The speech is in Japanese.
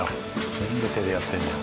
全部手でやってるんだよ。